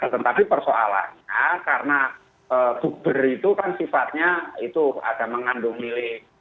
tetapi persoalannya karena bukber itu kan sifatnya itu ada mengandung milik